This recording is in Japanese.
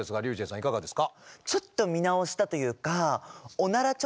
いかがですか？